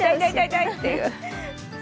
痛いっていう。